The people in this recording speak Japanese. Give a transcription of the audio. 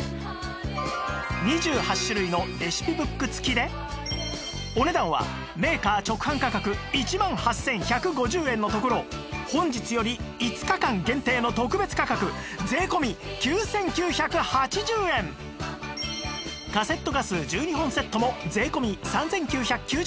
またお値段はメーカー直販価格１万８１５０円のところ本日より５日間限定の特別価格税込９９８０円カセットガス１２本セットも税込３９９０円でご用意